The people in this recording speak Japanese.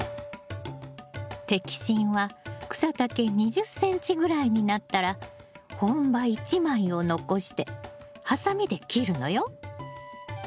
摘心は草丈２０ｃｍぐらいになったら本葉１枚を残してハサミで切るのよ。